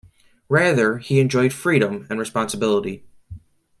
Rather, he enjoyed freedom and responsibility.